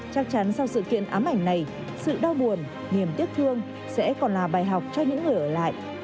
chắc chắn sau sự kiện ám ảnh này sự đau buồn niềm tiếc thương sẽ còn là bài học cho những người ở lại